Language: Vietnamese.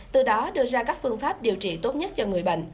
từ đó đưa ra các phương pháp điều trị tốt nhất cho người bệnh